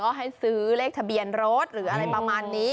ก็ให้ซื้อเลขทะเบียนรถหรืออะไรประมาณนี้